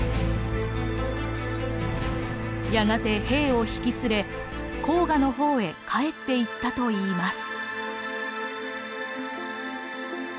やがて兵を引き連れ黄河の方へ帰っていったといいます。